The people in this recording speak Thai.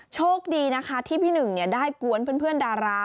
โชคดีนะคะที่พี่หนึ่งได้กวนเพื่อนดารา